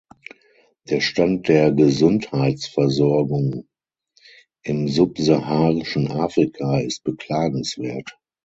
Der Stand der Gesundheitsversorgung im subsaharischen Afrika ist beklagenswert.